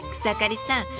草刈さん